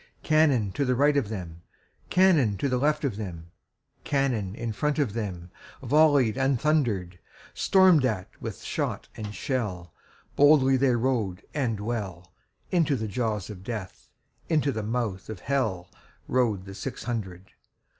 Cannon to right of them, Cannon to left of them, Cannon in front of themVolley'd and thunder'd; Storm'd at with shot and shell, Boldly they rode and well, Into the jaws of Death, Into the mouth of HellRode the six hundred.